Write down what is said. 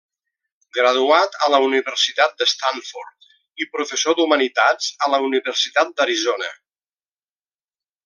Graduat a la Universitat de Stanford i professor d'humanitats a la Universitat d'Arizona.